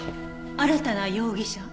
新たな容疑者？